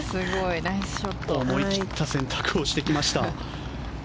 思い切った選択をしてきました。